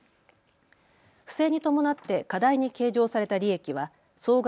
不正に伴って過大に計上された利益は総額